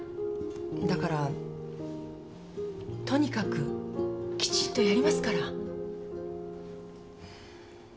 だからとにかくきちんとやりますから。